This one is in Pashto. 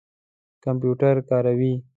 کمپیوټر کاروئ؟